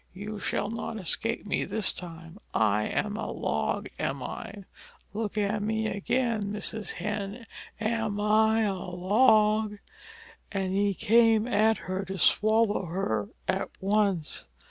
"You shall not escape me this time. I am a log, am I? Look at me again, Mrs. Hen. Am I a log?" And he came at her to swallow her at once.